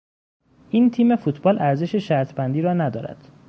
این تیم فوتبال ارزش شرطبندی را ندارد.